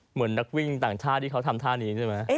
เหมือนนักวิ่งต่างชาติที่เขาทำท่านี้ใช่ไหม